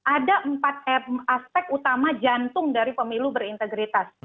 ada empat aspek utama jantung dari pemilu berintegritas